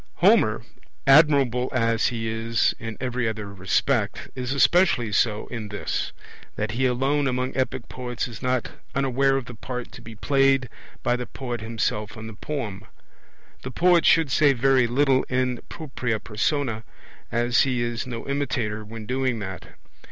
Homer, admirable as he is in every other respect, is especially so in this, that he alone among epic poets is not unaware of the part to be played by the poet himself in the poem. The poet should say very little in propria persona, as he is no imitator when doing that.